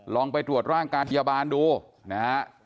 ลองไปตรวจร่างกายทยาบาลดู